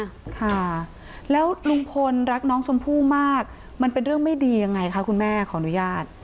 ค่ะแล้วลุงพลรักน้องชมพู่มากมันเป็นเรื่องไม่ดียังไงคะคุณแม่ขออนุญาต